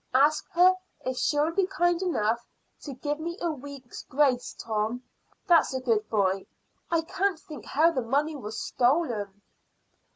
Ask her if she'll be kind enough to give me a week's grace, Tom; that's a good boy. I can't think how the money was stolen."